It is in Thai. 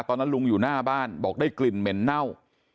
ตอนนั้นลุงอยู่หน้าบ้านบอกได้กลิ่นเหม็นเน่า